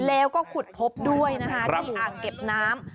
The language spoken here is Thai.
แล้วก็ขุดพบด้วยนะคะที่อ่างเก็บน้ำ